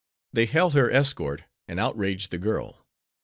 They held her escort and outraged the girl.